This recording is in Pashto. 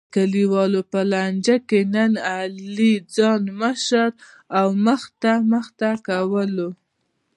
د کلیوالو په لانجه کې نن علی ځان مشر او مخته مخته کولو.